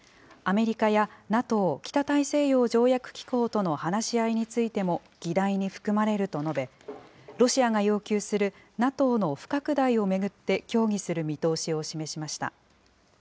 アメリカやＮＡＴＯ・北大西洋条約機構との話し合いについても議題に含まれると述べ、ロシアが要求するＮＡＴＯの不拡大を巡って協議する見通しを示しました。